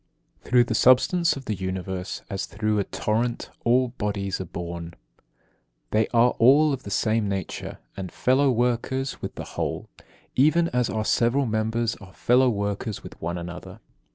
19. Through the substance of the Universe, as through a torrent, all bodies are borne. They are all of the same nature, and fellow workers with the whole, even as our several members are fellow workers with one another.